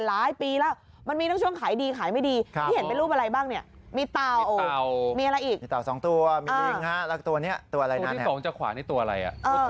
หลายปีแล้วมันมีตั้งช่วงขายดีขายไม่ดีเห็นเป็นรูปอะไรบ้างเนี่ยมีตาวมีอะไรอีกตาวสองตัวมีตัวนี้ตัวอะไรนั้นตัวอะไรเนี่ย